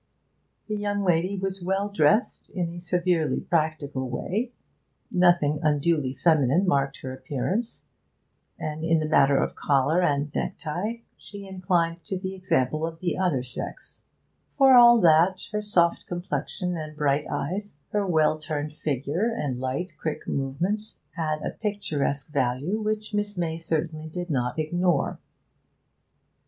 The young lady was well dressed in a severely practical way; nothing unduly feminine marked her appearance, and in the matter of collar and necktie she inclined to the example of the other sex; for all that, her soft complexion and bright eyes, her well turned figure and light, quick movements, had a picturesque value which Miss May certainly did not ignore.